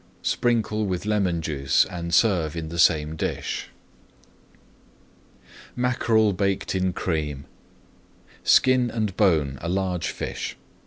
Sprinkle with lemon juice and serve in the same dish. MACKEREL BAKED IN CREAM Skin and bone a large fish.